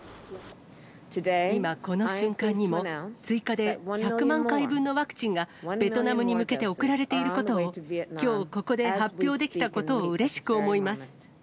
今この瞬間にも、追加で１００万回分のワクチンが、ベトナムに向けて送られていることを、きょう、ここで発表できたことをうれしく思います。